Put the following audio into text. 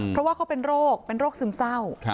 เพราะว่าเขาเป็นโรคเป็นโรคซึมเศร้า